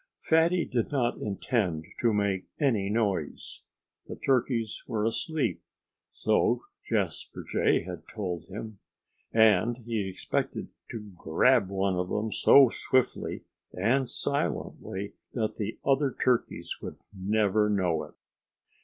Fatty did not intend to make any noise. The turkeys were asleep so Jasper Jay had told him and he expected to grab one of them so swiftly and silently that the other turkeys would never know it.